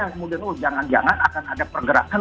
yang kemudian oh jangan jangan akan ada pergerakan